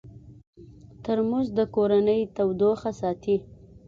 ترموز د کورنۍ تودوخه ساتي.